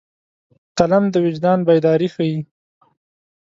قلم د وجدان بیداري ښيي